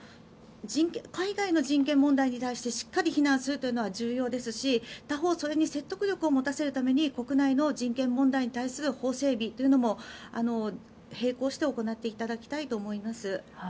海外の人権問題に対してしっかり非難するというのは大事ですし他方、それに説得力を持たせるために国内の人権問題に対する法整備を並行して行っていただきたいと思います。